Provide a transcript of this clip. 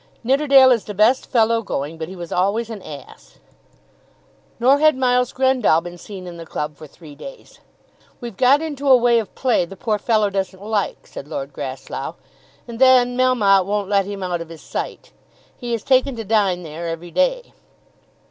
Nidderdale is the best fellow going, but he was always an ass." Nor had Miles Grendall been seen in the club for three days. "We've got into a way of play the poor fellow doesn't like," said Lord Grasslough; "and then Melmotte won't let him out of his sight. He has taken to dine there every day."